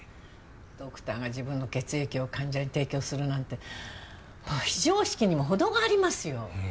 ドクターが自分の血液を患者に提供するなんてもう非常識にもほどがありますよ！